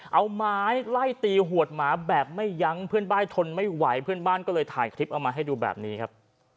เอาไม้ไล่ตีหวดหมาแบบไม่ยั้งเพื่อนบ้านทนไม่ไหวเพื่อนบ้านก็เลยถ่ายคลิปเอามาให้ดูแบบนี้ครับ